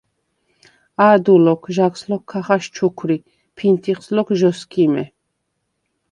“ა̄დუ ლოქ, ჟაგს ლოქ ქა ხაშჩუქვრი, ფინთიხს ლოქ ჟ’ოსქიმე”.